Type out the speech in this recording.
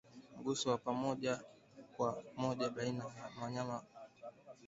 Mgusano wa moja kwa moja baina ya Wanyama wagonjwa na wazima kiafya